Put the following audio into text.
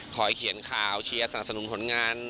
เขียนข่าวเชียร์สนับสนุนผลงาน